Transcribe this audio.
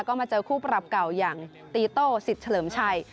ก็มาเจอคู่ปรับเก่าอย่างตีโต้สิทธิ์เฉลิมชัย